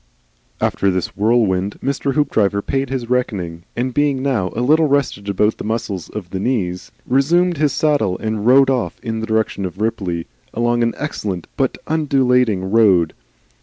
After this whirlwind Mr. Hoopdriver paid his reckoning and being now a little rested about the muscles of the knees resumed his saddle and rode on in the direction of Ripley, along an excellent but undulating road.